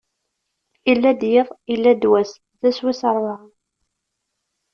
Illa-d yiḍ, illa-d wass: d ass wis ṛebɛa.